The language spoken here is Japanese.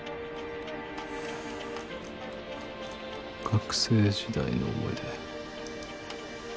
「学生時代の思い出」